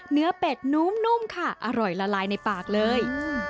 เป็ดนุ่มค่ะอร่อยละลายในปากเลย